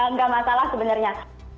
nggak masalah sebenarnya